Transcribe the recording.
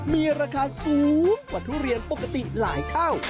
มีราคาสูงกว่าทุเรียนปกติหลายเท่า